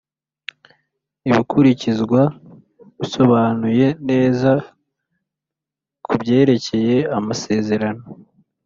ibikurikizwa bisobanuye neza ku byerekeye amasezerano